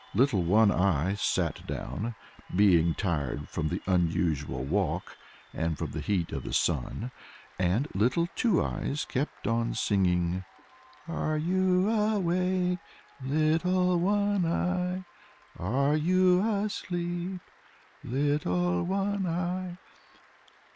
Little One Eye sat down, being tired from the unusual walk and from the heat of the sun, and Little Two Eyes kept on singing, "Are you awake, Little One Eye? Are you asleep, Little One Eye?"